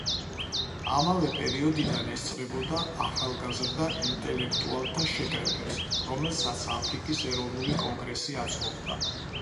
ამავე პერიოდიდან ესწრებოდა ახალგაზრდა ინტელექტუალთა შეკრებებს, რომელსაც აფრიკის ეროვნული კონგრესი აწყობდა.